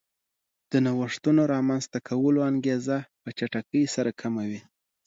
د نوښتونو رامنځته کولو انګېزه په چټکۍ سره کموي